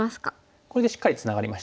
これでしっかりツナがりましたね。